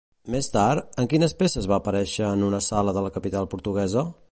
Més tard, en quines peces va aparèixer en una sala de la capital portuguesa?